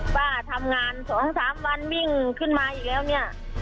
ว่าทำงาน๒๓วันวิ่งขึ้นมาอีกแล้วเนี่ย